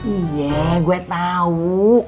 iya gue tau